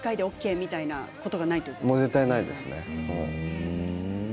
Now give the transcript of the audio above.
絶対ないですね。